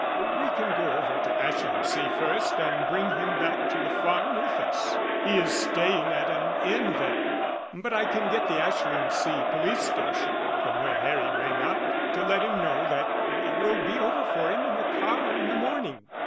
"We can go over to Ashlingsea first and bring him back to the farm with us. He is staying at an inn there, but I can get the Ashlingsea police station, from where Harry rang up, to let him know that we will be over for him in the car in the morning."